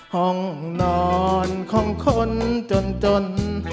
ห้องนอนของคนจนจน